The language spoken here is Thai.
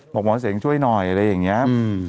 บอกหมอเสียงช่วยหน่อยอะไรอย่างนี้